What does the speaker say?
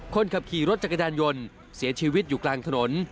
คนขับขี่รถจักรยานยนต์เสียชีวิตอยู่กลางถนน